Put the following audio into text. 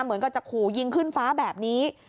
เหมือนกับจะขู่ยิงขึ้นฟ้าแบบนี้